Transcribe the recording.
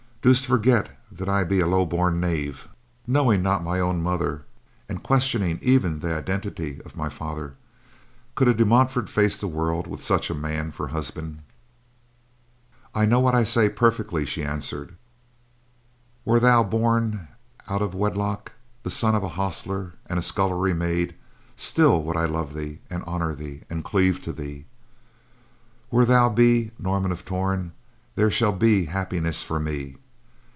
"Dost forget that I be a low born knave, knowing not my own mother and questioning even the identity of my father? Could a De Montfort face the world with such a man for husband?" "I know what I say, perfectly," she answered. "Were thou born out of wedlock, the son of a hostler and a scullery maid, still would I love thee, and honor thee, and cleave to thee. Where thou be, Norman of Torn, there shall be happiness for me.